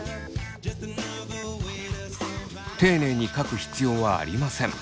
丁寧に書く必要はありません。